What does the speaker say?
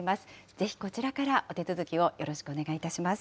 ぜひ、こちらからお手続きをよろしくお願いします。